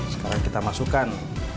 sekarang kita masukkan